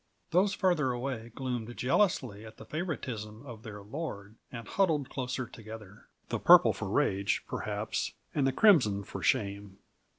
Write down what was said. Those farther away gloomed jealously at the favoritism of their lord, and huddled closer together the purple for rage, perhaps; and the crimson for shame!